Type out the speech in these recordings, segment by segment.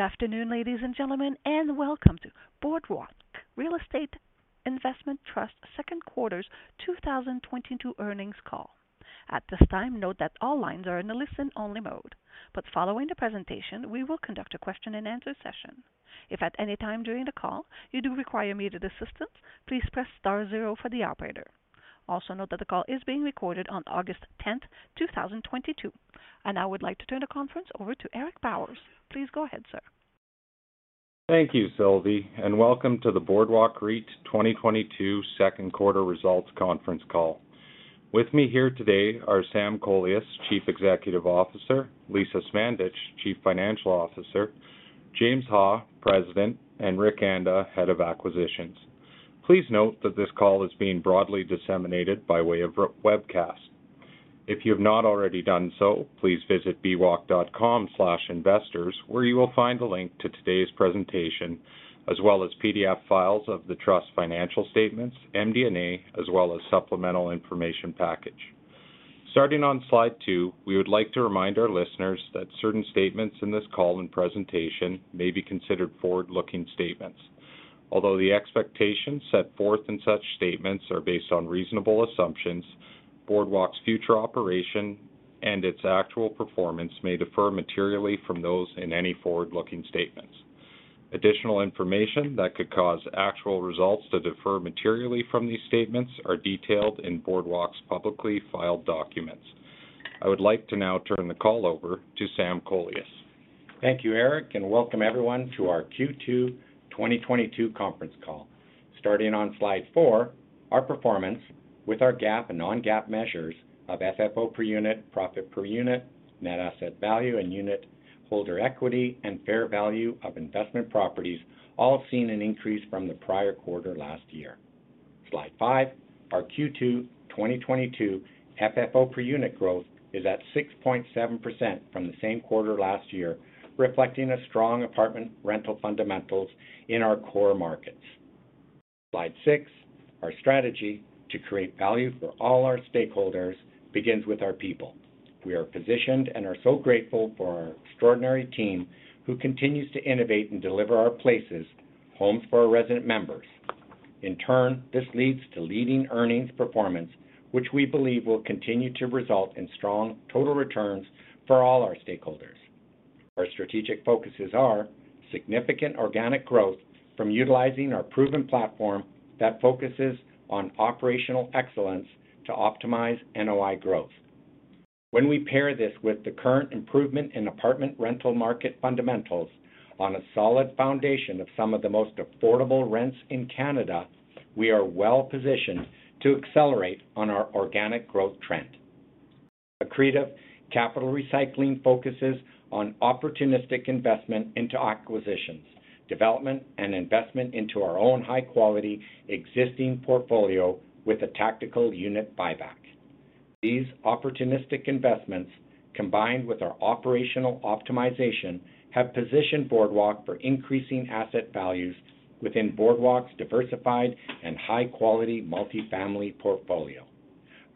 Good afternoon, ladies and gentlemen, and welcome to Boardwalk Real Estate Investment Trust's second quarter 2022 earnings call. At this time, note that all lines are in a listen-only mode, but following the presentation, we will conduct a question-and-answer session. If at any time during the call you do require immediate assistance, please press star zero for the operator. Also note that the call is being recorded on August 10, 2022. I now would like to turn the conference over to Eric Bowers. Please go ahead, sir. Thank you, Sylvie, and welcome to the Boardwalk REIT 2022 second quarter results conference call. With me here today are Sam Kolias, Chief Executive Officer, Lisa Smandych, Chief Financial Officer, James Ha, President, and Richard Anda, Head of Acquisitions. Please note that this call is being broadly disseminated by way of webcast. If you have not already done so, please visit bwalk.com/investors where you will find the link to today's presentation as well as PDF files of the trust financial statements, MD&A, as well as supplemental information package. Starting on Slide two, we would like to remind our listeners that certain statements in this call and presentation may be considered forward-looking statements. Although the expectations set forth in such statements are based on reasonable assumptions, Boardwalk's future operation and its actual performance may differ materially from those in any forward-looking statements. Additional information that could cause actual results to differ materially from these statements are detailed in Boardwalk's publicly filed documents. I would like to now turn the call over to Sam Kolias. Thank you, Eric, and welcome everyone to our Q2 2022 conference call. Starting on Slide four, our performance with our GAAP and non-GAAP measures of FFO per unit, profit per unit, net asset value and unit holder equity, and fair value of investment properties all have seen an increase from the prior quarter last year. Slide five, our Q2 2022 FFO per unit growth is at 6.7% from the same quarter last year, reflecting a strong apartment rental fundamentals in our core markets. Slide six, our strategy to create value for all our stakeholders begins with our people. We are positioned and are so grateful for our extraordinary team who continues to innovate and deliver our places, homes for our resident members. In turn, this leads to leading earnings performance which we believe will continue to result in strong total returns for all our stakeholders. Our strategic focuses are significant organic growth from utilizing our proven platform that focuses on operational excellence to optimize NOI growth. When we pair this with the current improvement in apartment rental market fundamentals on a solid foundation of some of the most affordable rents in Canada, we are well-positioned to accelerate on our organic growth trend. Accretive capital recycling focuses on opportunistic investment into acquisitions, development and investment into our own high quality existing portfolio with a tactical unit buyback. These opportunistic investments, combined with our operational optimization, have positioned Boardwalk for increasing asset values within Boardwalk's diversified and high-quality multifamily portfolio.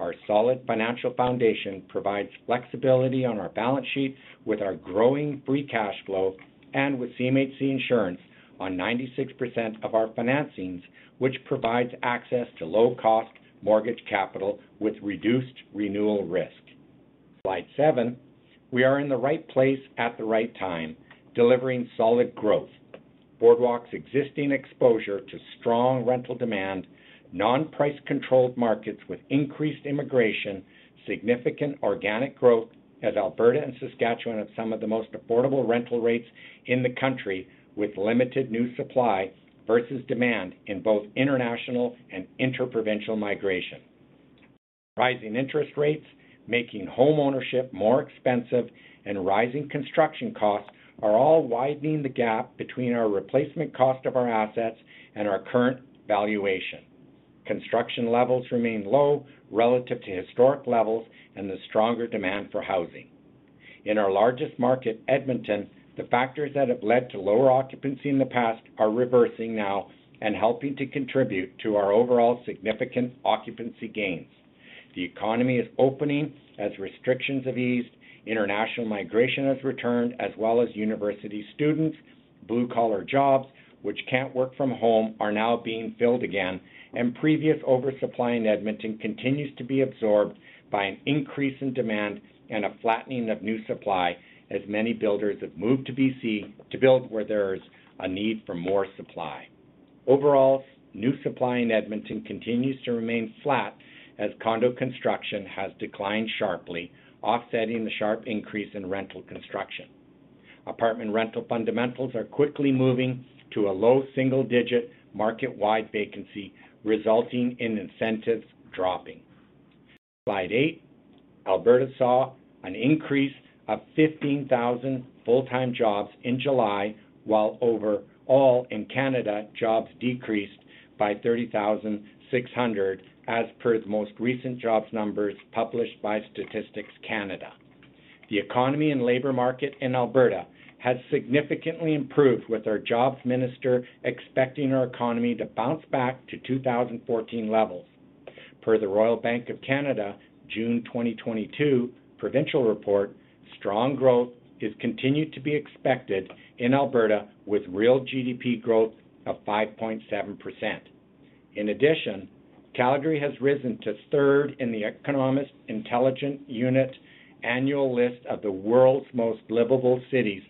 Our solid financial foundation provides flexibility on our balance sheet with our growing free cash flow and with CMHC insurance on 96% of our financings, which provides access to low cost mortgage capital with reduced renewal risk. Slide seven, we are in the right place at the right time, delivering solid growth. Boardwalk's existing exposure to strong rental demand, non-price controlled markets with increased immigration, significant organic growth as Alberta and Saskatchewan have some of the most affordable rental rates in the country, with limited new supply versus demand in both international and inter-provincial migration. Rising interest rates, making home ownership more expensive and rising construction costs are all widening the gap between our replacement cost of our assets and our current valuation. Construction levels remain low relative to historic levels and the stronger demand for housing. In our largest market, Edmonton, the factors that have led to lower occupancy in the past are reversing now and helping to contribute to our overall significant occupancy gains. The economy is opening as restrictions have eased. International migration has returned as well as university students. Blue-collar jobs which can't work from home are now being filled again, and previous oversupply in Edmonton continues to be absorbed by an increase in demand and a flattening of new supply as many builders have moved to BC to build where there is a need for more supply. Overall, new supply in Edmonton continues to remain flat as condo construction has declined sharply, offsetting the sharp increase in rental construction. Apartment rental fundamentals are quickly moving to a low single digit market-wide vacancy, resulting in incentives dropping. Slide eight, Alberta saw an increase of 15,000 full-time jobs in July, while overall in Canada, jobs decreased by 30,600 as per the most recent jobs numbers published by Statistics Canada. The economy and labor market in Alberta has significantly improved with our jobs minister expecting our economy to bounce back to 2014 levels. Per the Royal Bank of Canada June 2022 provincial report, strong growth is continued to be expected in Alberta with real GDP growth of 5.7%. In addition, Calgary has risen to third in the Economist Intelligence Unit annual list of the world's most livable cities,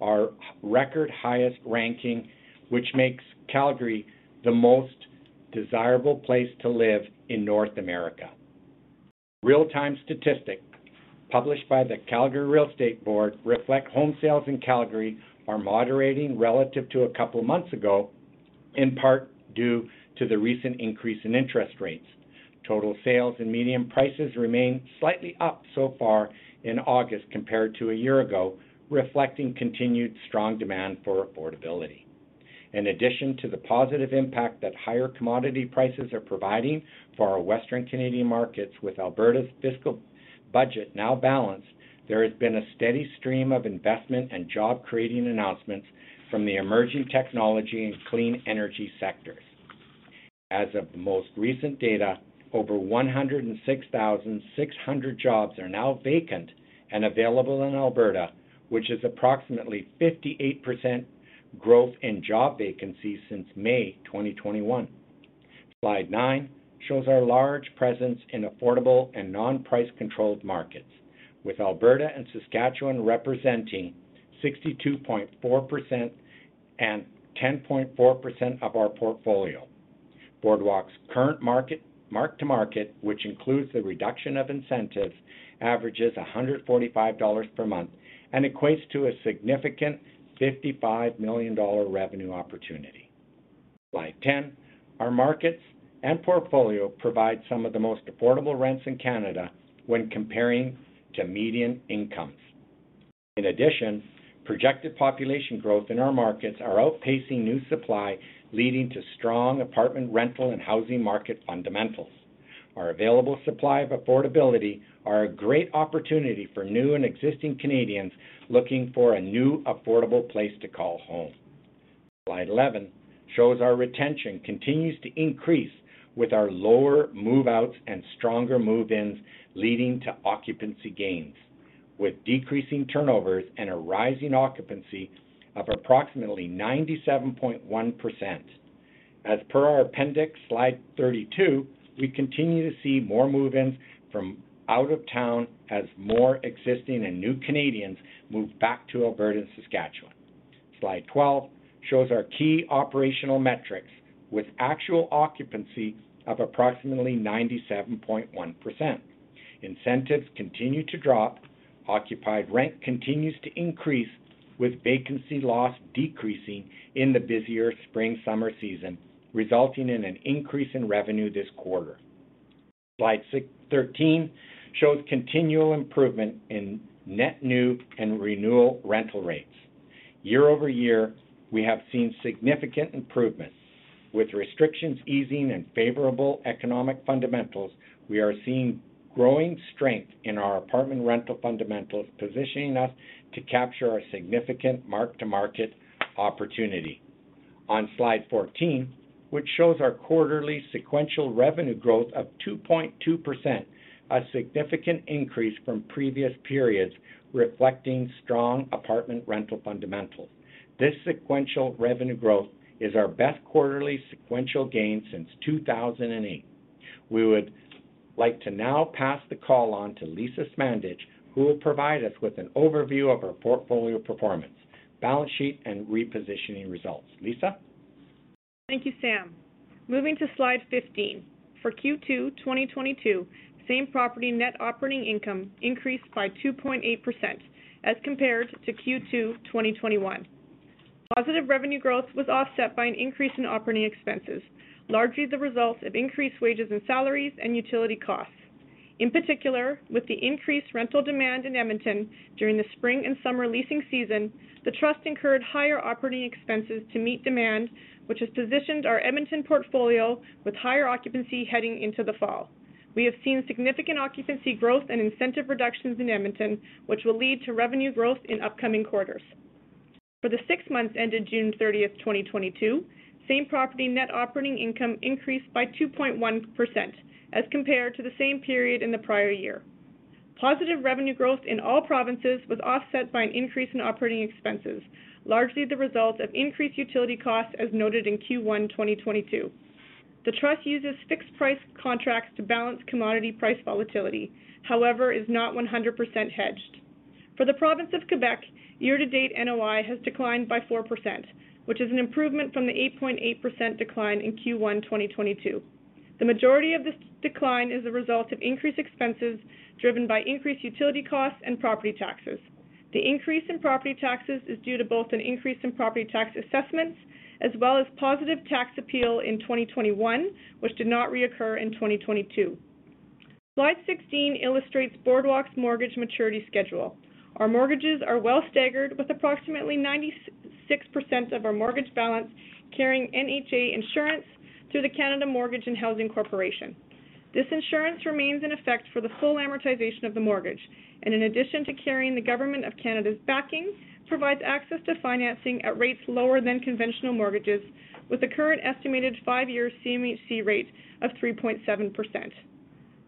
a record highest ranking, which makes Calgary the most desirable place to live in North America. Real-time statistics published by the Calgary Real Estate Board reflect home sales in Calgary are moderating relative to a couple months ago, in part due to the recent increase in interest rates. Total sales and median prices remain slightly up so far in August compared to a year ago, reflecting continued strong demand for affordability. In addition to the positive impact that higher commodity prices are providing for our western Canadian markets with Alberta's fiscal budget now balanced, there has been a steady stream of investment and job creating announcements from the emerging technology and clean energy sectors. As of the most recent data, over 106,600 jobs are now vacant and available in Alberta, which is approximately 58% growth in job vacancies since May 2021. Slide nine shows our large presence in affordable and non-price controlled markets, with Alberta and Saskatchewan representing 62.4% and 10.4% of our portfolio. Boardwalk's current market mark-to-market, which includes the reduction of incentives, averages 145 dollars per month and equates to a significant 55 million dollar revenue opportunity. Slide 10. Our markets and portfolio provide some of the most affordable rents in Canada when comparing to median incomes. In addition, projected population growth in our markets are outpacing new supply, leading to strong apartment rental and housing market fundamentals. Our available supply of affordability are a great opportunity for new and existing Canadians looking for a new affordable place to call home. Slide 11 shows our retention continues to increase with our lower move-outs and stronger move-ins, leading to occupancy gains, with decreasing turnovers and a rising occupancy of approximately 97.1%. As per our appendix Slide 32, we continue to see more move-ins from out of town as more existing and new Canadians move back to Alberta and Saskatchewan. Slide 12 shows our key operational metrics with actual occupancy of approximately 97.1%. Incentives continue to drop, occupied rent continues to increase, with vacancy loss decreasing in the busier spring, summer season, resulting in an increase in revenue this quarter. Slide 13 shows continual improvement in net new and renewal rental rates. Year-over-year, we have seen significant improvements. With restrictions easing and favorable economic fundamentals, we are seeing growing strength in our apartment rental fundamentals, positioning us to capture our significant mark-to-market opportunity. On Slide 14, which shows our quarterly sequential revenue growth of 2.2%, a significant increase from previous periods reflecting strong apartment rental fundamentals. This sequential revenue growth is our best quarterly sequential gain since 2008. We would like to now pass the call on to Lisa Smandych, who will provide us with an overview of our portfolio performance, balance sheet and repositioning results. Lisa? Thank you, Sam. Moving to Slide 15. For Q2, 2022, same property net operating income increased by 2.8% as compared to Q2, 2021. Positive revenue growth was offset by an increase in operating expenses, largely the result of increased wages and salaries and utility costs. In particular, with the increased rental demand in Edmonton during the spring and summer leasing season, the trust incurred higher operating expenses to meet demand, which has positioned our Edmonton portfolio with higher occupancy heading into the fall. We have seen significant occupancy growth and incentive reductions in Edmonton, which will lead to revenue growth in upcoming quarters. For the six months ended June 30, 2022, same property net operating income increased by 2.1% as compared to the same period in the prior year. Positive revenue growth in all provinces was offset by an increase in operating expenses, largely the result of increased utility costs as noted in Q1, 2022. The trust uses fixed price contracts to balance commodity price volatility, however, is not 100% hedged. For the province of Quebec, year to date NOI has declined by 4%, which is an improvement from the 8.8% decline in Q1, 2022. The majority of this decline is a result of increased expenses driven by increased utility costs and property taxes. The increase in property taxes is due to both an increase in property tax assessments as well as positive tax appeal in 2021, which did not reoccur in 2022. Slide 16 illustrates Boardwalk's mortgage maturity schedule. Our mortgages are well staggered with approximately 96% of our mortgage balance carrying NHA insurance through the Canada Mortgage and Housing Corporation. This insurance remains effective for the full amortization of the mortgage, and in addition to carrying the government of Canada's backing, provides access to financing at rates lower than conventional mortgages with the current estimated 5-year CMHC rate of 3.7%.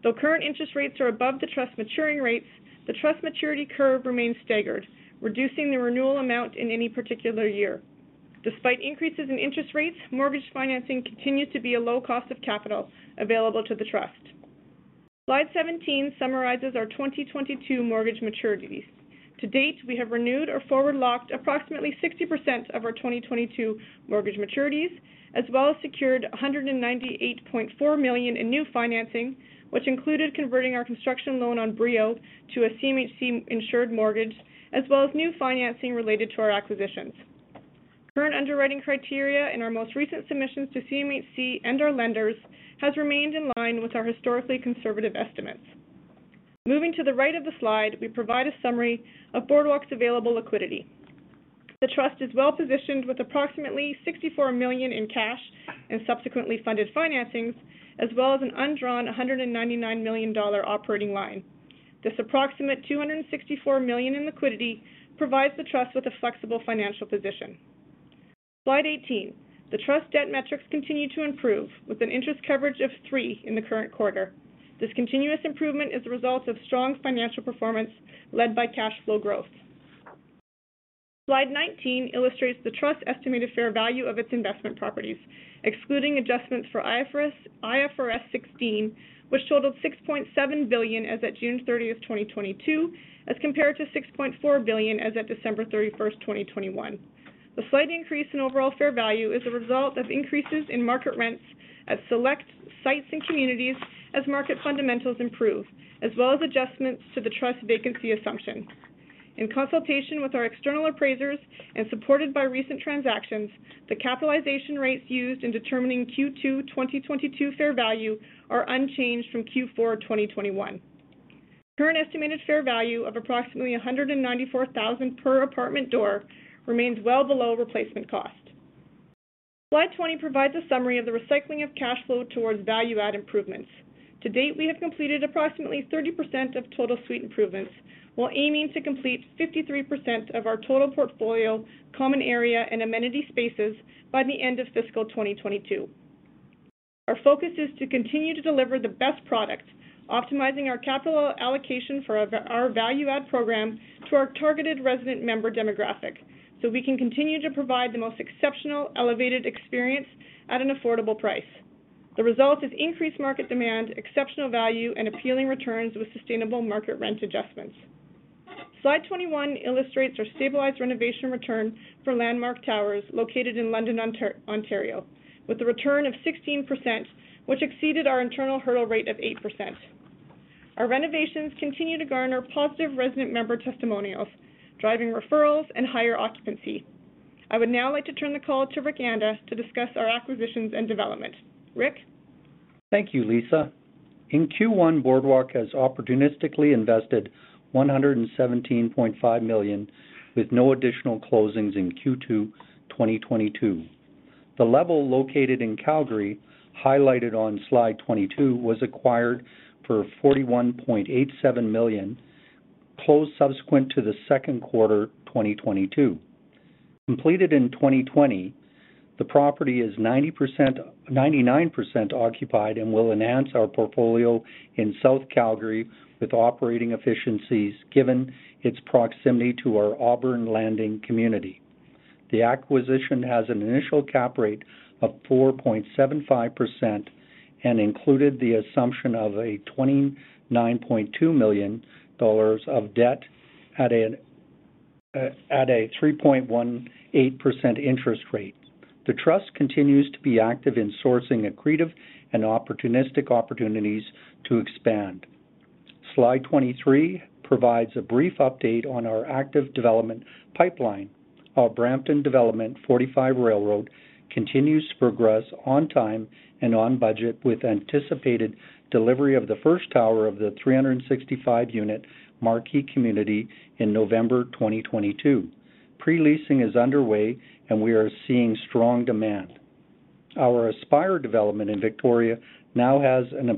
Though current interest rates are above the trust maturing rates, the trust maturity curve remains staggered, reducing the renewal amount in any particular year. Despite increases in interest rates, mortgage financing continues to be a low cost of capital available to the trust. Slide 17 summarizes our 2022 mortgage maturities. To date, we have renewed or forward-locked approximately 60% of our 2022 mortgage maturities, as well as secured 198.4 million in new financing, which included converting our construction loan on Brio to a CMHC-insured mortgage, as well as new financing related to our acquisitions. Current underwriting criteria in our most recent submissions to CMHC and our lenders has remained in line with our historically conservative estimates. Moving to the right of the slide, we provide a summary of Boardwalk's available liquidity. The trust is well-positioned with approximately 64 million in cash and subsequently funded financings, as well as an undrawn 199 million dollar operating line. This approximate 264 million in liquidity provides the trust with a flexible financial position. Slide 18. The trust debt metrics continue to improve with an interest coverage of 3x in the current quarter. This continuous improvement is the result of strong financial performance led by cash flow growth. Slide 19 illustrates the trust's estimated fair value of its investment properties, excluding adjustments for IFRS 16, which totaled 6.7 billion as at June 30, 2022, as compared to 6.4 billion as at December 31, 2021. The slight increase in overall fair value is a result of increases in market rents at select sites and communities as market fundamentals improve, as well as adjustments to the trust vacancy assumption. In consultation with our external appraisers and supported by recent transactions, the capitalization rates used in determining Q2 2022 fair value are unchanged from Q4 2021. Current estimated fair value of approximately 194,000 per apartment door remains well below replacement cost. Slide 20 provides a summary of the recycling of cash flow towards value-add improvements. To date, we have completed approximately 30% of total suite improvements, while aiming to complete 53% of our total portfolio, common area, and amenity spaces by the end of fiscal 2022. Our focus is to continue to deliver the best product, optimizing our capital allocation for our value add program to our targeted resident member demographic, so we can continue to provide the most exceptional, elevated experience at an affordable price. The result is increased market demand, exceptional value, and appealing returns with sustainable market rent adjustments. Slide 21 illustrates our stabilized renovation return for landmark towers located in London, Ontario, with a return of 16%, which exceeded our internal hurdle rate of 8%. Our renovations continue to garner positive resident member testimonials, driving referrals and higher occupancy. I would now like to turn the call to Rick Anda to discuss our acquisitions and development. Rick? Thank you, Lisa. In Q1, Boardwalk has opportunistically invested 117.5 million, with no additional closings in Q2 2022. The Level located in Calgary, highlighted on Slide 22, was acquired for 41.87 million, closed subsequent to the second quarter, 2022. Completed in 2020, the property is 99% occupied and will enhance our portfolio in South Calgary with operating efficiencies given its proximity to our Auburn Landing community. The acquisition has an initial cap rate of 4.75% and included the assumption of 29.2 million dollars of debt at a 3.18% interest rate. The trust continues to be active in sourcing accretive and opportunistic opportunities to expand. Slide 23 provides a brief update on our active development pipeline. Our Brampton development, 45 Railroad, continues to progress on time and on budget with anticipated delivery of the first tower of the 365-unit marquee community in November 2022. Pre-leasing is underway and we are seeing strong demand. Our Aspire development in Victoria now has an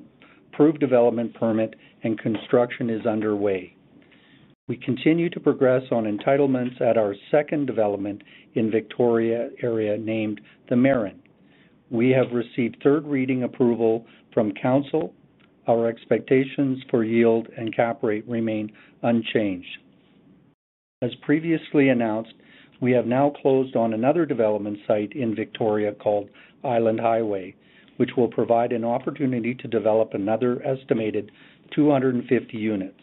approved development permit and construction is underway. We continue to progress on entitlements at our second development in Victoria area named The Marin. We have received third reading approval from council. Our expectations for yield and cap rate remain unchanged. As previously announced, we have now closed on another development site in Victoria called Island Highway, which will provide an opportunity to develop another estimated 250 units.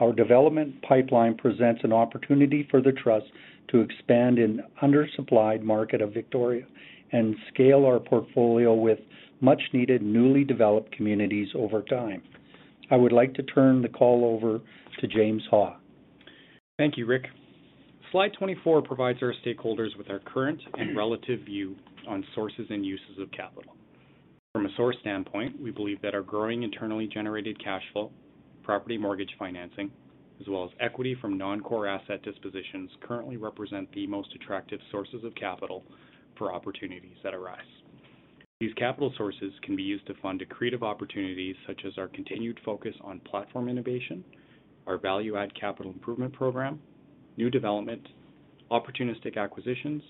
Our development pipeline presents an opportunity for the trust to expand in under-supplied market of Victoria and scale our portfolio with much needed newly developed communities over time. I would like to turn the call over to James Ha. Thank you, Rick. Slide 24 provides our stakeholders with our current and relative view on sources and uses of capital. From a source standpoint, we believe that our growing internally generated cash flow Property mortgage financing, as well as equity from non-core asset dispositions, currently represent the most attractive sources of capital for opportunities that arise. These capital sources can be used to fund accretive opportunities such as our continued focus on platform innovation, our value-add capital improvement program, new development, opportunistic acquisitions,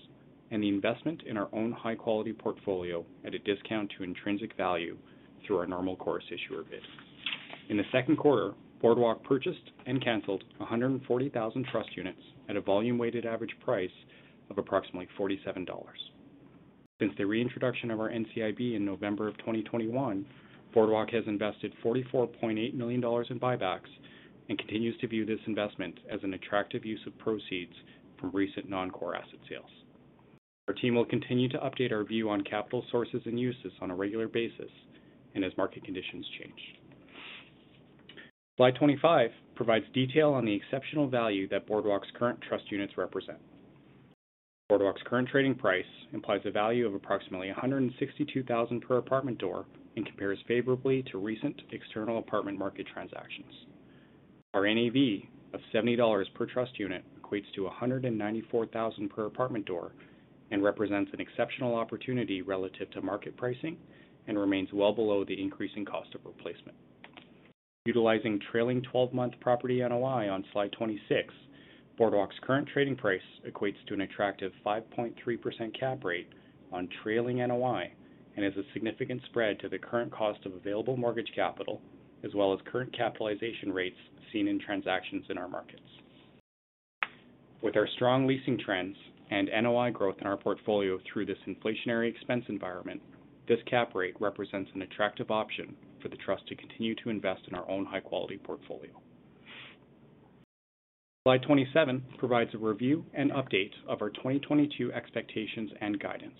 and the investment in our own high quality portfolio at a discount to intrinsic value through our normal course issuer bid. In the second quarter, Boardwalk purchased and canceled 140,000 trust units at a volume weighted average price of approximately 47 dollars. Since the reintroduction of our NCIB in November of 2021, Boardwalk has invested 44.8 million dollars in buybacks and continues to view this investment as an attractive use of proceeds from recent non-core asset sales. Our team will continue to update our view on capital sources and uses on a regular basis and as market conditions change. Slide 25 provides detail on the exceptional value that Boardwalk's current trust units represent. Boardwalk's current trading price implies a value of approximately 162,000 per apartment door and compares favorably to recent external apartment market transactions. Our NAV of 70 dollars per trust unit equates to 194,000 per apartment door and represents an exceptional opportunity relative to market pricing and remains well below the increasing cost of replacement. Utilizing trailing 12-month property NOI on Slide 26, Boardwalk's current trading price equates to an attractive 5.3% cap rate on trailing NOI and is a significant spread to the current cost of available mortgage capital as well as current capitalization rates seen in transactions in our markets. With our strong leasing trends and NOI growth in our portfolio through this inflationary expense environment, this cap rate represents an attractive option for the trust to continue to invest in our own high quality portfolio. Slide 27 provides a review and update of our 2022 expectations and guidance.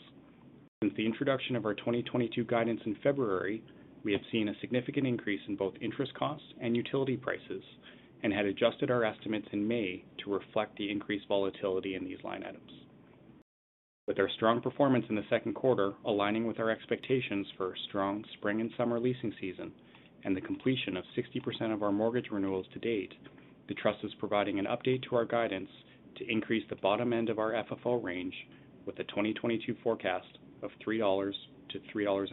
Since the introduction of our 2022 guidance in February, we have seen a significant increase in both interest costs and utility prices and had adjusted our estimates in May to reflect the increased volatility in these line items. With our strong performance in the second quarter aligning with our expectations for a strong spring and summer leasing season and the completion of 60% of our mortgage renewals to date, the trust is providing an update to our guidance to increase the bottom end of our FFO range with a 2022 forecast of 3-3.15 dollars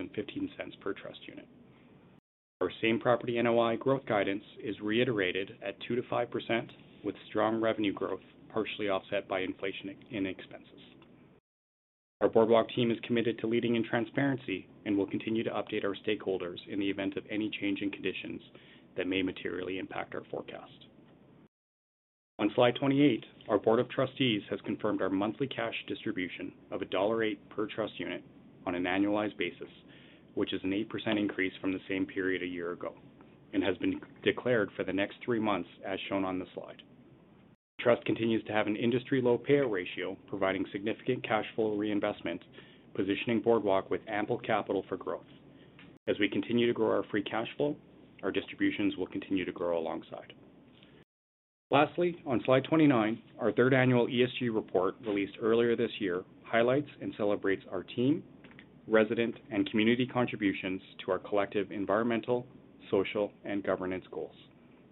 per trust unit. Our same property NOI growth guidance is reiterated at 2%-5% with strong revenue growth partially offset by inflation in expenses. Our Boardwalk team is committed to leading in transparency and will continue to update our stakeholders in the event of any change in conditions that may materially impact our forecast. On Slide 28, our board of trustees has confirmed our monthly cash distribution of CAD 1.08 per trust unit on an annualized basis, which is an 8% increase from the same period a year ago and has been declared for the next 3 months as shown on the slide. Trust continues to have an industry low payout ratio, providing significant cash flow reinvestment, positioning Boardwalk with ample capital for growth. As we continue to grow our free cash flow, our distributions will continue to grow alongside. Lastly, on slide 29, our third annual ESG report released earlier this year highlights and celebrates our team, resident, and community contributions to our collective environmental, social, and governance goals.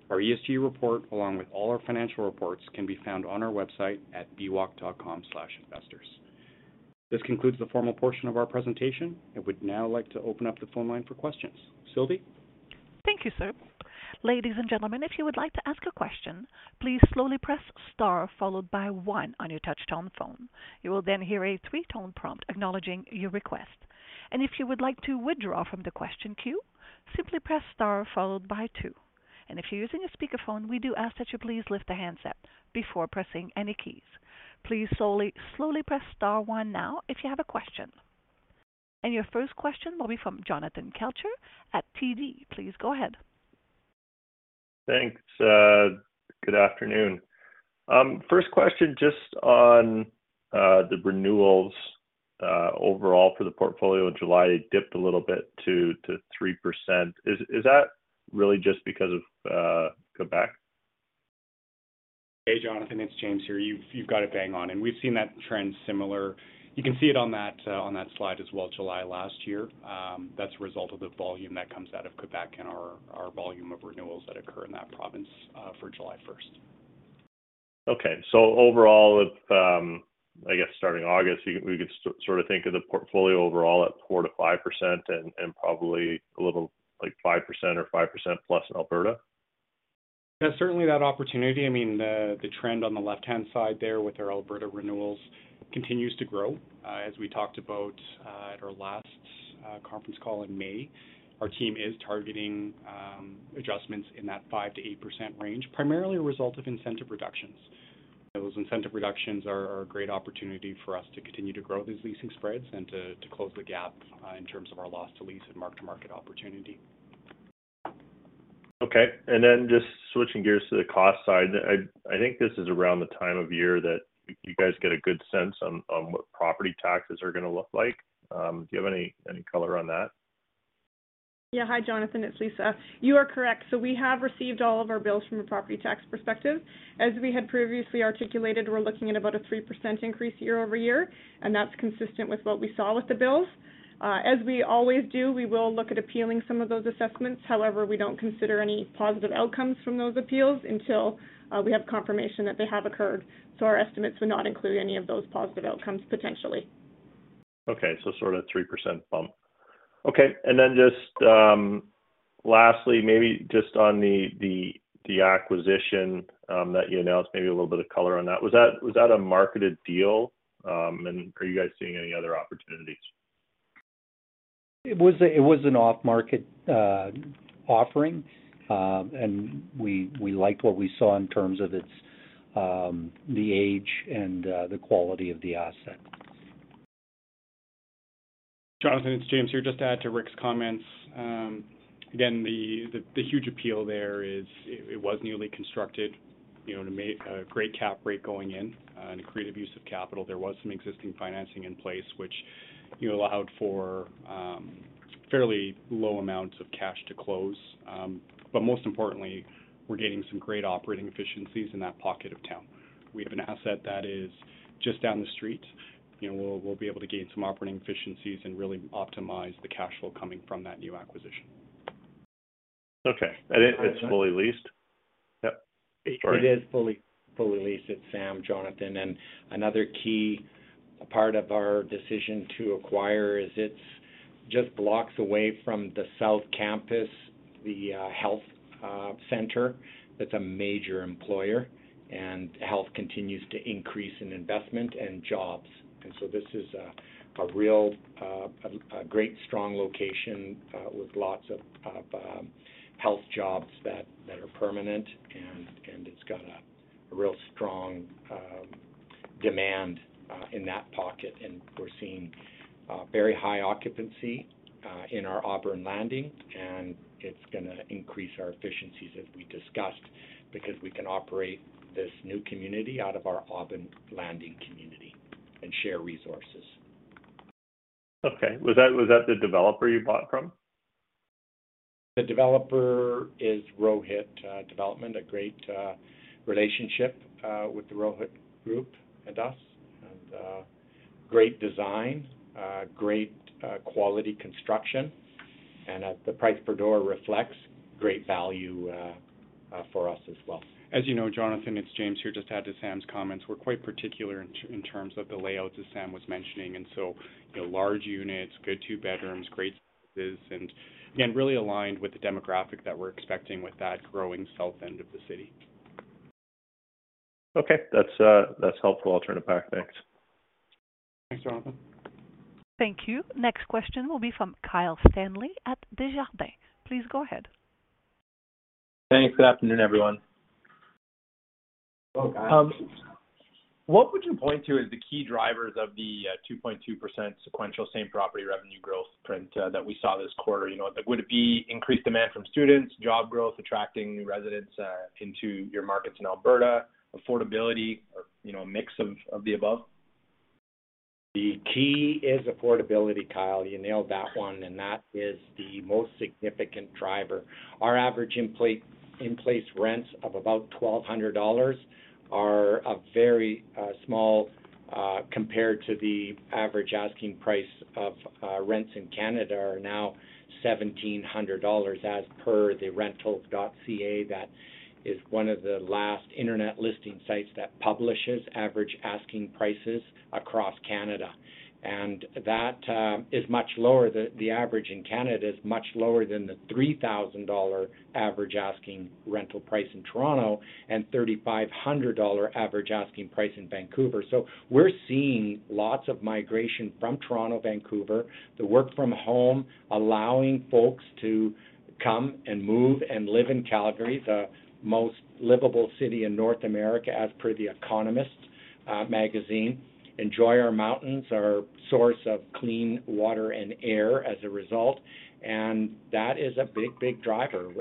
Our ESG report, along with all our financial reports, can be found on our website at bwalk.com/investors. This concludes the formal portion of our presentation. I would now like to open up the phone line for questions. Sylvie? Thank you, sir. Ladies and gentlemen, if you would like to ask a question, please slowly press star followed by one on your touch-tone phone. You will then hear a three-tone prompt acknowledging your request. If you would like to withdraw from the question queue, simply press star followed by two. If you're using a speakerphone, we do ask that you please lift the handset before pressing any keys. Please slowly press star one now if you have a question. Your first question will be from Jonathan Kelcher at TD. Please go ahead. Thanks. Good afternoon. First question, just on the renewals, overall for the portfolio in July, it dipped a little bit to 3%. Is that really just because of Quebec? Hey, Jonathan, it's James here. You've got it bang on. We've seen that trend similar. You can see it on that slide as well, July last year. That's a result of the volume that comes out of Quebec and our volume of renewals that occur in that province for July first. Okay. Overall, if I guess starting August, we could sort of think of the portfolio overall at 4%-5% and probably a little like 5% or 5% plus in Alberta? Yeah, certainly that opportunity. I mean, the trend on the left-hand side there with our Alberta renewals continues to grow. As we talked about at our last conference call in May, our team is targeting adjustments in that 5%-8% range, primarily a result of incentive reductions. Those incentive reductions are a great opportunity for us to continue to grow these leasing spreads and to close the gap in terms of our loss to lease and mark-to-market opportunity. Okay. Just switching gears to the cost side. I think this is around the time of year that you guys get a good sense on what property taxes are gonna look like. Do you have any color on that? Yeah. Hi, Jonathan, it's Lisa. You are correct. We have received all of our bills from a property tax perspective. As we had previously articulated, we're looking at about a 3% increase year-over-year, and that's consistent with what we saw with the bills. As we always do, we will look at appealing some of those assessments. However, we don't consider any positive outcomes from those appeals until we have confirmation that they have occurred. Our estimates would not include any of those positive outcomes, potentially. Okay. Sort of 3% bump. Okay. Just lastly, maybe just on the acquisition that you announced, maybe a little bit of color on that. Was that a marketed deal? Are you guys seeing any other opportunities? It was an off-market offering. We liked what we saw in terms of its, the age and the quality of the asset. Jonathan, it's James here. Just to add to Rick's comments, again, the huge appeal there is it was newly constructed, you know, and a great cap rate going in and a creative use of capital. There was some existing financing in place which, you know, allowed for fairly low amounts of cash to close. Most importantly, we're getting some great operating efficiencies in that pocket of town. We have an asset that is just down the street. You know, we'll be able to gain some operating efficiencies and really optimize the cash flow coming from that new acquisition. Okay. It is fully leased? Yep. Sorry. It is fully leased. It's Sam, Jonathan. Another key part of our decision to acquire is it's just blocks away from the south campus, the health center. That's a major employer, and health continues to increase in investment and jobs. This is a real great strong location with lots of health jobs that are permanent. It's got a real strong demand in that pocket. We're seeing very high occupancy in our Auburn Landing, and it's gonna increase our efficiencies as we discussed because we can operate this new community out of our Auburn Landing community and share resources. Okay. Was that the developer you bought from? The developer is Rohit Development. A great relationship with the Rohit Group and us. Great design, great quality construction. The price per door reflects great value for us as well. As you know, Jonathan, it's James here. Just to add to Sam's comments, we're quite particular in terms of the layouts, as Sam was mentioning. You know, large units, good two bedrooms, great spaces and, again, really aligned with the demographic that we're expecting with that growing south end of the city. Okay. That's helpful. I'll turn it back. Thanks. Thanks, Jonathan. Thank you. Next question will be from Kyle Stanley at Desjardins. Please go ahead. Thanks. Good afternoon, everyone. What would you point to as the key drivers of the 2.2% sequential same property revenue growth trend that we saw this quarter? You know, like, would it be increased demand from students, job growth, attracting new residents into your markets in Alberta, affordability or, you know, a mix of the above? The key is affordability, Kyle. You nailed that one, and that is the most significant driver. Our average in-place rents of about 1,200 dollars are a very small compared to the average asking price of rents in Canada are now 1,700 dollars as per the Rentals.ca. That is one of the last internet listing sites that publishes average asking prices across Canada. That is much lower. The average in Canada is much lower than the 3,000 dollar average asking rental price in Toronto and 3,500 dollar average asking price in Vancouver. We're seeing lots of migration from Toronto, Vancouver. The work from home allowing folks to come and move and live in Calgary, the most livable city in North America as per The Economist magazine. Enjoy our mountains, our source of clean water and air as a result. That is a big driver.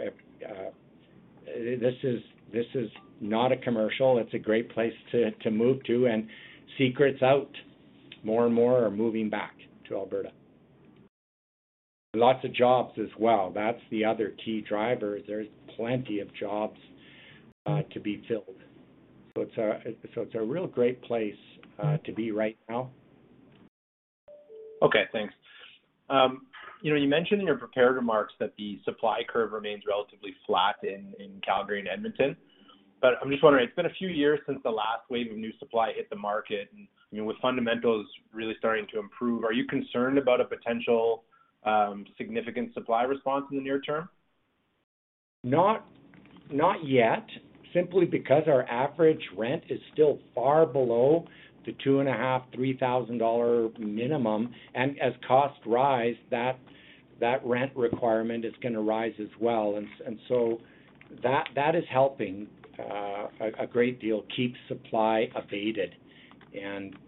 This is not a commercial. It's a great place to move to. Secret's out, more and more are moving back to Alberta. Lots of jobs as well. That's the other key driver. There's plenty of jobs to be filled. It's a real great place to be right now. Okay, thanks. You know, you mentioned in your prepared remarks that the supply curve remains relatively flat in Calgary and Edmonton. I'm just wondering. It's been a few years since the last wave of new supply hit the market. You know, with fundamentals really starting to improve, are you concerned about a potential significant supply response in the near term? Not yet. Simply because our average rent is still far below the 2,500-3,000 dollar minimum. As costs rise, that rent requirement is gonna rise as well. That is helping a great deal keep supply abated.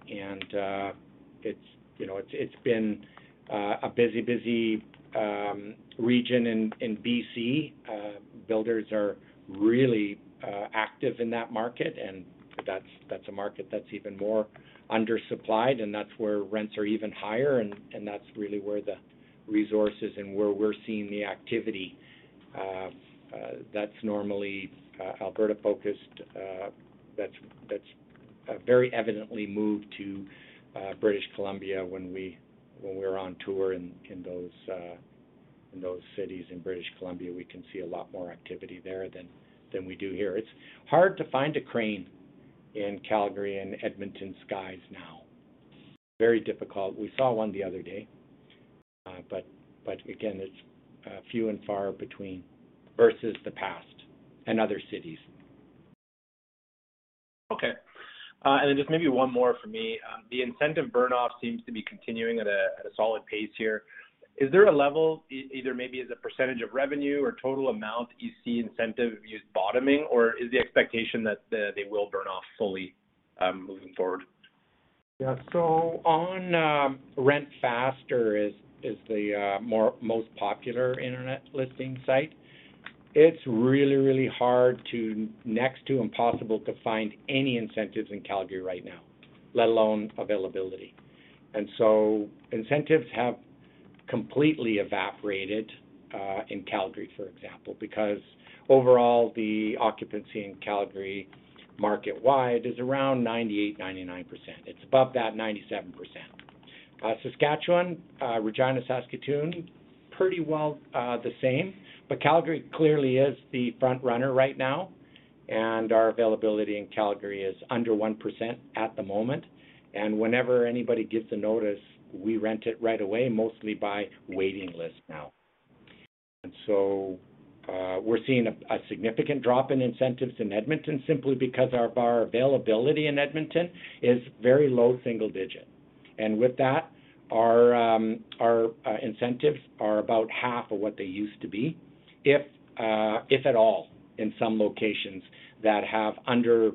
It's, you know, been a busy region in BC. Builders are really active in that market, and that's a market that's even more undersupplied, and that's where rents are even higher, and that's really where the resources and where we're seeing the activity. That's normally Alberta focused. That's very evidently moved to British Columbia when we were on tour in those cities in British Columbia. We can see a lot more activity there than we do here. It's hard to find a crane in Calgary and Edmonton skies now. Very difficult. We saw one the other day, but again, it's few and far between versus the past and other cities. Just maybe one more for me. The incentive burn-off seems to be continuing at a solid pace here. Is there a level either maybe as a percentage of revenue or total amount you see incentives use bottoming, or is the expectation that they will burn off fully moving forward? RentFaster.ca is the most popular internet listing site. It's really hard, next to impossible, to find any incentives in Calgary right now, let alone availability. Incentives have completely evaporated in Calgary, for example, because overall the occupancy in Calgary market-wide is around 98%-99%. It's above 97%. Saskatchewan, Regina, Saskatoon, pretty well the same. Calgary clearly is the front-runner right now, and our availability in Calgary is under 1% at the moment. Whenever anybody gives a notice, we rent it right away, mostly by waiting list now. We're seeing a significant drop in incentives in Edmonton simply because our availability in Edmonton is very low single digit. With that, our incentives are about half of what they used to be, if at all, in some locations that have under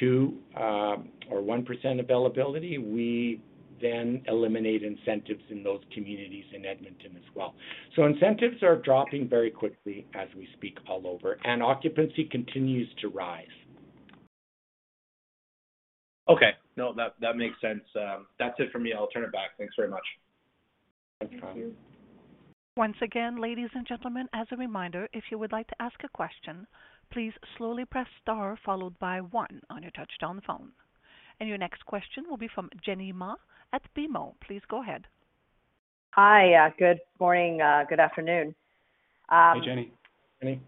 2 or 1% availability. We then eliminate incentives in those communities in Edmonton as well. Incentives are dropping very quickly as we speak all over, and occupancy continues to rise. Okay. No, that makes sense. That's it for me. I'll turn it back. Thanks very much. Thanks, Kyle Stanley. Once again, ladies and gentlemen, as a reminder, if you would like to ask a question, please slowly press star followed by one on your touchtone phone. Your next question will be from Jenny Ma at BMO. Please go ahead. Hi. Good morning. Good afternoon. Hey, Jenny. Jenny.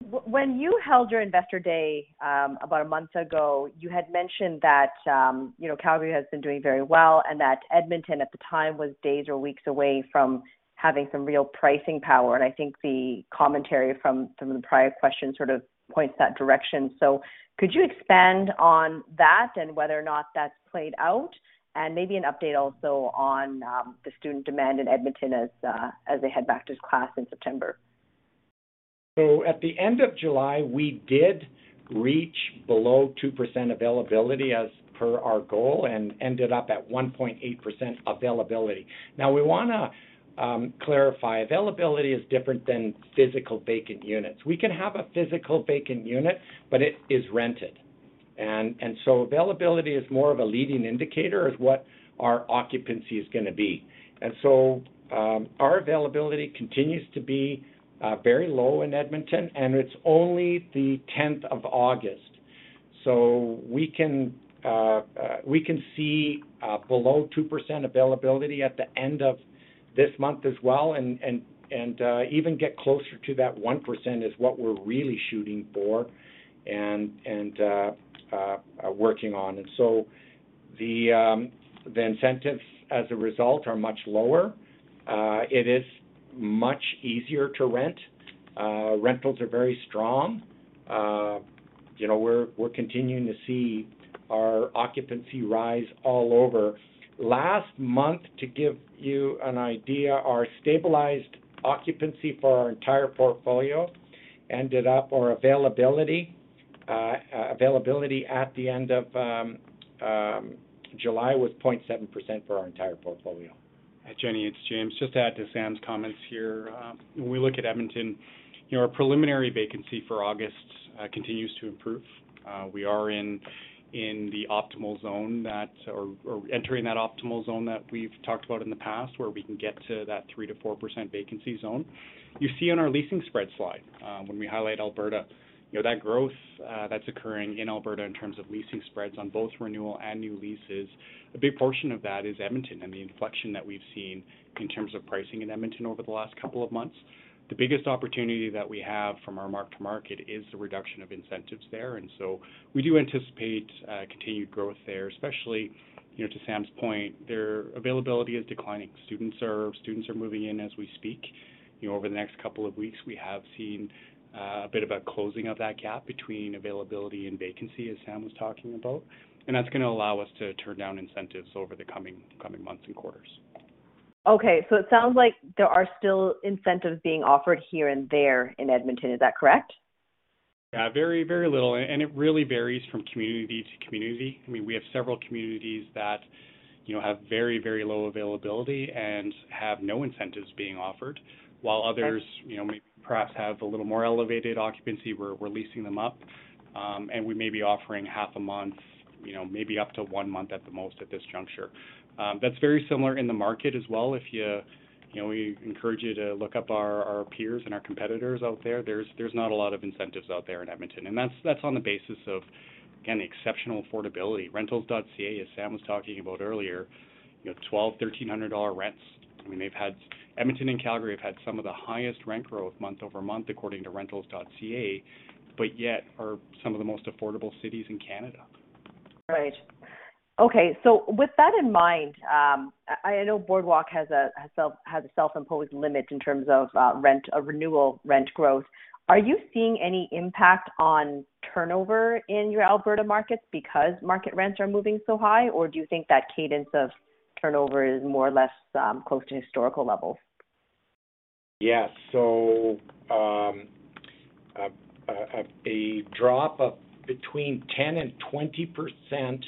When you held your investor day, about a month ago, you had mentioned that, you know, Calgary has been doing very well and that Edmonton at the time was days or weeks away from having some real pricing power. I think the commentary from the prior question sort of points that direction. Could you expand on that and whether or not that's played out? Maybe an update also on the student demand in Edmonton as they head back to class in September. At the end of July, we did reach below 2% availability as per our goal and ended up at 1.8% availability. Now we wanna clarify, availability is different than physical vacant units. We can have a physical vacant unit, but it is rented. Availability is more of a leading indicator of what our occupancy is gonna be. Our availability continues to be very low in Edmonton, and it's only the 10th of August. We can see below 2% availability at the end of this month as well and even get closer to that 1% is what we're really shooting for and working on. The incentives as a result are much lower. It is much easier to rent. Rentals are very strong. You know, we're continuing to see our occupancy rise all over. Last month, to give you an idea, our availability at the end of July was 0.7% for our entire portfolio. Jenny, it's James. Just to add to Sam's comments here. When we look at Edmonton, you know, our preliminary vacancy for August continues to improve. We are entering that optimal zone that we've talked about in the past, where we can get to that 3%-4% vacancy zone. You see on our leasing spread slide, when we highlight Alberta, you know, that growth that's occurring in Alberta in terms of leasing spreads on both renewal and new leases, a big portion of that is Edmonton and the inflection that we've seen in terms of pricing in Edmonton over the last couple of months. The biggest opportunity that we have from our mark-to-market is the reduction of incentives there, and so we do anticipate continued growth there, especially, you know, to Sam's point, their availability is declining. Students are moving in as we speak. You know, over the next couple of weeks, we have seen a bit of a closing of that gap between availability and vacancy, as Sam was talking about. That's gonna allow us to turn down incentives over the coming months and quarters. Okay. It sounds like there are still incentives being offered here and there in Edmonton. Is that correct? Yeah. Very, very little. It really varies from community to community. I mean, we have several communities that, you know, have very, very low availability and have no incentives being offered, while others. Okay. You know, may perhaps have a little more elevated occupancy. We're leasing them up, and we may be offering half a month. You know, maybe up to one month at the most at this juncture. That's very similar in the market as well. You know, we encourage you to look up our peers and our competitors out there. There's not a lot of incentives out there in Edmonton, and that's on the basis of, again, the exceptional affordability. Rentals.ca, as Sam was talking about earlier, you know, 1,200-1,300 dollar rents. I mean, Edmonton and Calgary have had some of the highest rent growth month-over-month according to Rentals.ca, but yet are some of the most affordable cities in Canada. Right. Okay. With that in mind, I know Boardwalk has a self-imposed limit in terms of rent renewal rent growth. Are you seeing any impact on turnover in your Alberta markets because market rents are moving so high, or do you think that cadence of turnover is more or less close to historical levels? Yes. A drop of between 10%-20%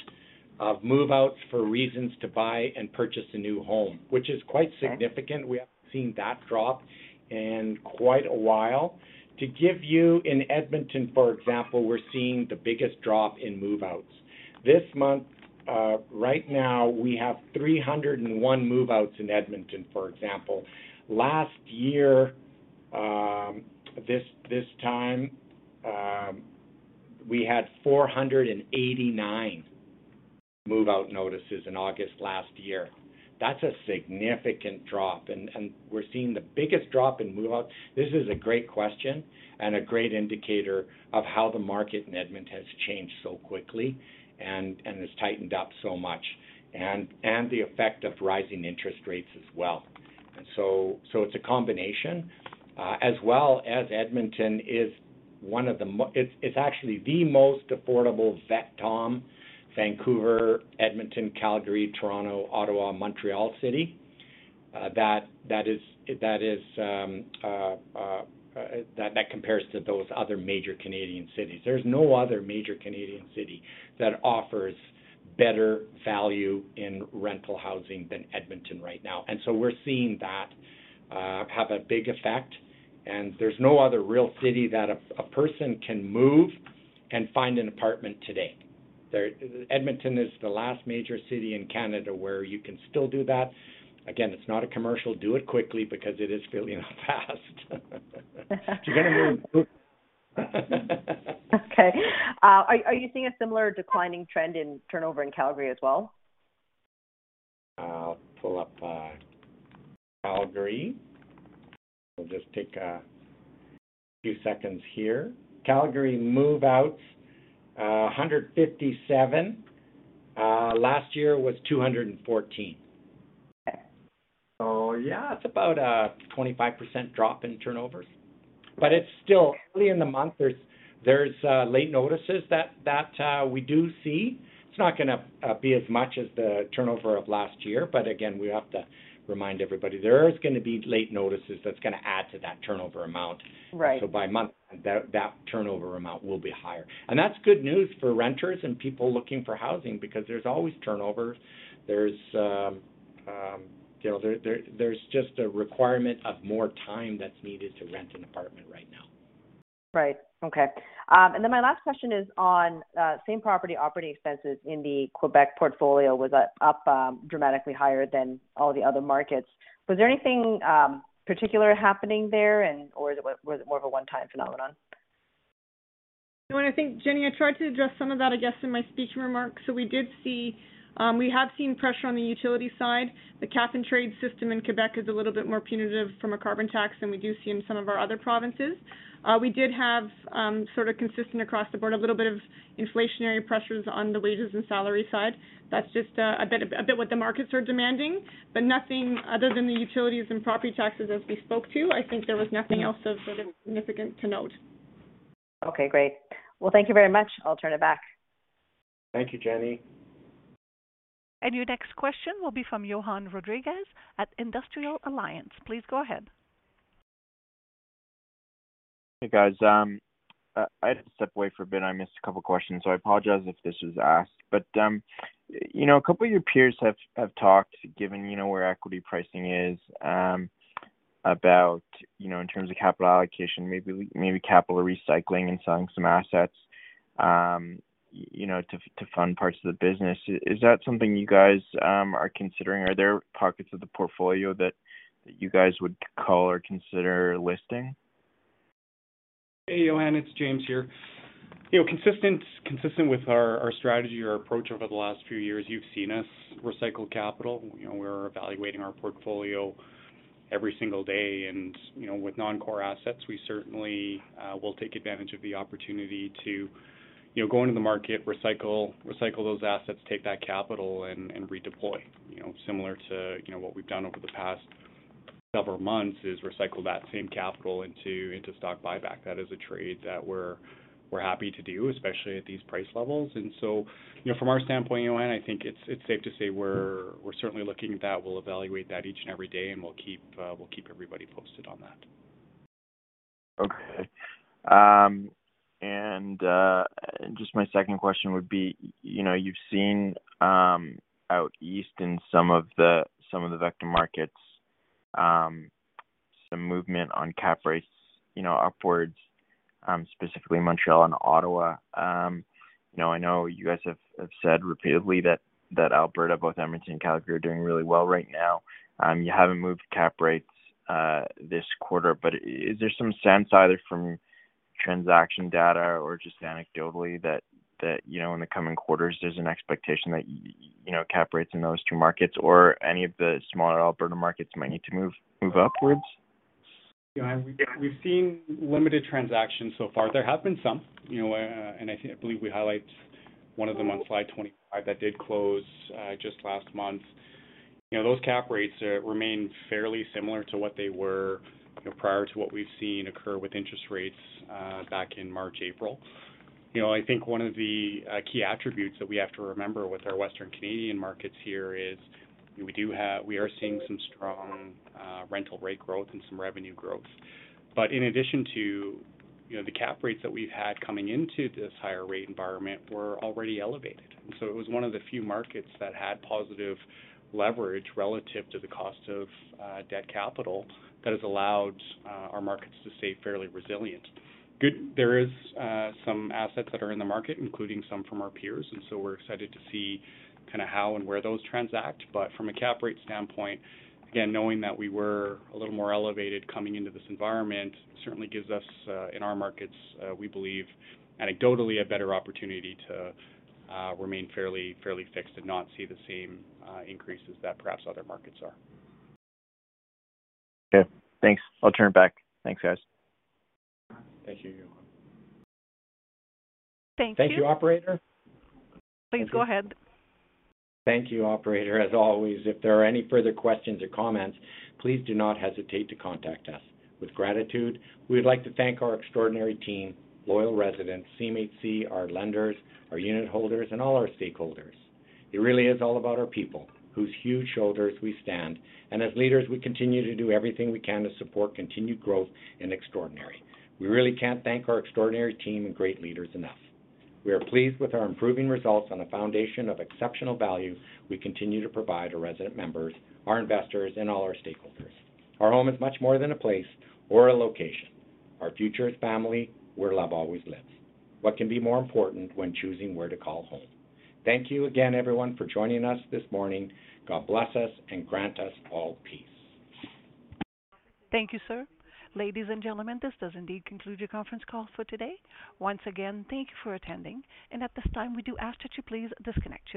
of move-outs for reasons to buy and purchase a new home, which is quite significant. Okay. We haven't seen that drop in quite a while. To give you an example in Edmonton, for example, we're seeing the biggest drop in move-outs. This month, right now we have 301 move-outs in Edmonton, for example. Last year, this time, we had 489 move-out notices in August last year. That's a significant drop, and we're seeing the biggest drop in move-outs. This is a great question and a great indicator of how the market in Edmonton has changed so quickly and has tightened up so much and the effect of rising interest rates as well. It's a combination, as well as Edmonton is actually the most affordable VECTOM, Vancouver, Edmonton, Calgary, Toronto, Ottawa, Montreal City. That compares to those other major Canadian cities. There's no other major Canadian city that offers better value in rental housing than Edmonton right now. We're seeing that have a big effect. There's no other real city that a person can move and find an apartment today. Edmonton is the last major city in Canada where you can still do that. Again, it's not a commercial. Do it quickly because it is filling up fast. If you're gonna move. Okay. Are you seeing a similar declining trend in turnover in Calgary as well? I'll pull up, Calgary. It'll just take a few seconds here. Calgary move-outs, 157. Last year was 214. Okay. Yeah, it's about a 25% drop in turnover. It's still early in the month. There's late notices that we do see. It's not gonna be as much as the turnover of last year, but again, we have to remind everybody there is gonna be late notices that's gonna add to that turnover amount. Right. By month, that turnover amount will be higher. That's good news for renters and people looking for housing because there's always turnover. You know, there's just a requirement of more time that's needed to rent an apartment right now. Right. Okay, my last question is on same property operating expenses in the Quebec portfolio was up dramatically higher than all the other markets. Was there anything particular happening there or was it more of a one-time phenomenon? You know what? I think, Jenny, I tried to address some of that, I guess, in my speech remarks. We did see, we have seen pressure on the utility side. The cap-and-trade system in Quebec is a little bit more punitive from a carbon tax than we do see in some of our other provinces. We did have, sort of consistent across the board, a little bit of inflationary pressures on the wages and salary side. That's just, a bit what the markets are demanding, but nothing other than the utilities and property taxes as we spoke to. I think there was nothing else of, sort of, significant to note. Okay, great. Well, thank you very much. I'll turn it back. Thank you, Jenny. Your next question will be from Johann Rodriguez at Industrial Alliance. Please go ahead. Hey, guys. I had to step away for a bit. I missed a couple questions, so I apologize if this was asked. A couple of your peers have talked, given you know where equity pricing is, about, you know, in terms of capital allocation, maybe capital recycling and selling some assets, you know, to fund parts of the business. Is that something you guys are considering? Are there pockets of the portfolio that you guys would call or consider listing? Hey, Johan, it's James here. You know, consistent with our strategy or approach over the last few years, you've seen us recycle capital. You know, we're evaluating our portfolio every single day. You know, with non-core assets, we certainly will take advantage of the opportunity to, you know, go into the market, recycle those assets, take that capital and redeploy. You know, similar to, you know, what we've done over the past several months is recycle that same capital into stock buyback. That is a trade that we're happy to do, especially at these price levels. You know, from our standpoint, Johan, I think it's safe to say we're certainly looking at that. We'll evaluate that each and every day, and we'll keep everybody posted on that. Okay. Just my second question would be, you know, you've seen out east in some of the VECTOM markets some movement on cap rates, you know, upwards, specifically Montreal and Ottawa. You know, I know you guys have said repeatedly that Alberta, both Edmonton and Calgary, are doing really well right now. You haven't moved cap rates this quarter, but is there some sense, either from transaction data or just anecdotally that, you know, in the coming quarters, there's an expectation that you know, cap rates in those two markets or any of the smaller Alberta markets might need to move upwards? Yeah, we've seen limited transactions so far. There have been some, you know, and I believe we highlight one of them on Slide 25 that did close, just last month. You know, those cap rates remain fairly similar to what they were, you know, prior to what we've seen occur with interest rates, back in March, April. You know, I think one of the key attributes that we have to remember with our Western Canadian markets here is we are seeing some strong rental rate growth and some revenue growth. In addition to, you know, the cap rates that we've had coming into this higher rate environment were already elevated. It was one of the few markets that had positive leverage relative to the cost of debt capital that has allowed our markets to stay fairly resilient. There is some assets that are in the market, including some from our peers, and so we're excited to see kind of how and where those transact. From a cap rate standpoint, again, knowing that we were a little more elevated coming into this environment certainly gives us, in our markets, we believe anecdotally a better opportunity to remain fairly fixed and not see the same increases that perhaps other markets are. Okay, thanks. I'll turn it back. Thanks, guys. Thank you. Thank you. Thank you, operator. Please go ahead. Thank you, operator. As always, if there are any further questions or comments, please do not hesitate to contact us. With gratitude, we would like to thank our extraordinary team, loyal residents, CMHC, our lenders, our unit holders, and all our stakeholders. It really is all about our people whose huge shoulders we stand, and as leaders, we continue to do everything we can to support continued growth and extraordinary. We really can't thank our extraordinary team and great leaders enough. We are pleased with our improving results on the foundation of exceptional value we continue to provide our resident members, our investors, and all our stakeholders. Our home is much more than a place or a location. Our future is family, where love always lives. What can be more important when choosing where to call home? Thank you again, everyone, for joining us this morning. God bless us and grant us all peace. Thank you, sir. Ladies and gentlemen, this does indeed conclude your conference call for today. Once again, thank you for attending, and at this time, we do ask that you please disconnect your lines.